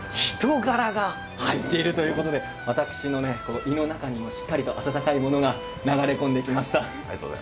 人柄が入っているということで私の胃の中にもしっかりと温かいものが流れ込んできました。